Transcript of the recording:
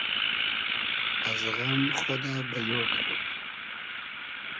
از غئم خودۂ بئیۉ کئدوم